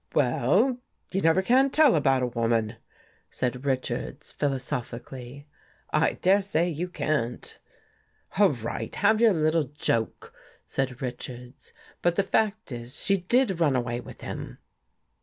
" Well, you never can tell about a woman," said Richards philosophically. " I dare say you can't." " All right, have your little joke," said Richards. '' But the fact is she did run away with him."